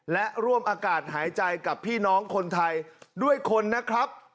และร่วมอากาศหายใจกับพี่น้องคนไทยด้วยคนนะครับ